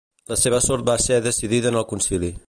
La seva sort va ser decidida en el Concili.